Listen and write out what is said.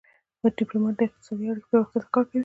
ډيپلومات د اقتصادي اړیکو پیاوړتیا ته کار کوي.